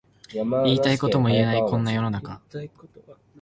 言いたいことも言えないこんな世の中